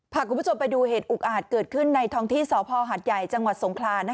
พาคุณผู้ชมไปดูเหตุอุกอาจเกิดขึ้นในท้องที่สพหัดใหญ่จังหวัดสงครา